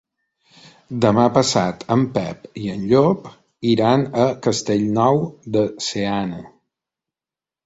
Demà passat en Pep i en Llop iran a Castellnou de Seana.